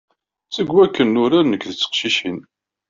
Seg wakken nurar nekk d teqcicin.